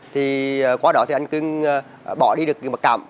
thì quá đó thì anh cư bỏ đi được mặt cảm